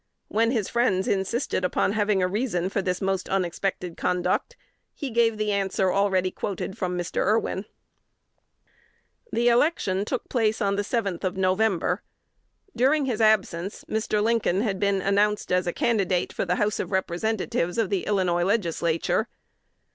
When his friends insisted upon having a reason for this most unexpected conduct, he gave the answer already quoted from Mr. Irwin. The election took place on the 7th of November. During his absence, Mr. Lincoln had been announced as a candidate for the House of Representatives of the Illinois Legislature.